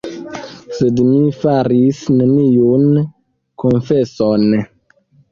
Sed mi faris neniun konfeson.